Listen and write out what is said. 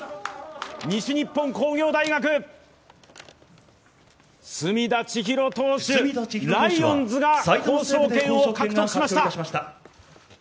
西日本工業大学、隅田知一郎投手、ライオンズが交渉権を獲得しました。